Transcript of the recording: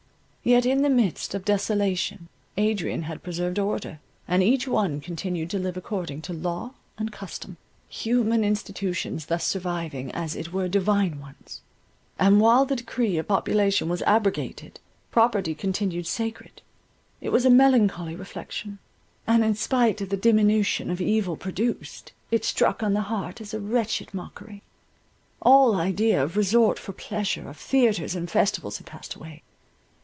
Yet in the midst of desolation Adrian had preserved order; and each one continued to live according to law and custom—human institutions thus surviving as it were divine ones, and while the decree of population was abrogated, property continued sacred. It was a melancholy reflection; and in spite of the diminution of evil produced, it struck on the heart as a wretched mockery. All idea of resort for pleasure, of theatres and festivals had passed away.